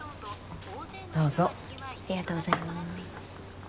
どうぞありがとうございます